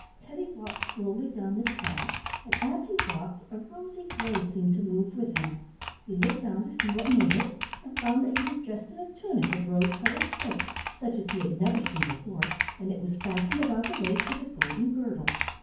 Teddy walked slowly down this hall, and as he walked a rosy glow seemed to move with him. He looked down to see what made it, and found that he was dressed in a tunic of rose colored silk, such as he had never seen before, and it was fastened about the waist with a golden girdle.